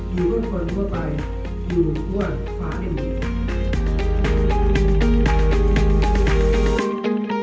อยู่เพื่อคนทั่วไปอยู่เพื่อฟ้าในเวียน